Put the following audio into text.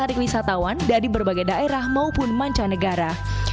patung ini menjadi daya tarik wisatawan dari berbagai daerah maupun mancanegara